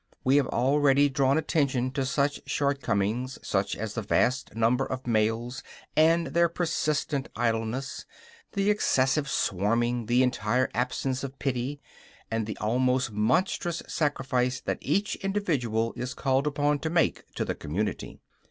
We have already drawn attention to some shortcomings, such as the vast number of males and their persistent idleness, the excessive swarming, the entire absence of pity, and the almost monstrous sacrifice that each individual is called upon to make to the community.